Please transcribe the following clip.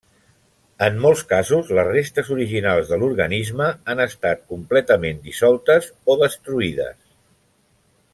En molts casos, les restes originals de l'organisme han estat completament dissoltes o destruïdes.